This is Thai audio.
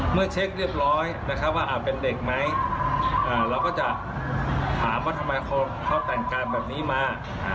เมื่อเช็คเรียบร้อยนะครับว่าเป็นเด็กไหมเราก็จะถามว่าทำไมเขาแต่งการแบบนี้มา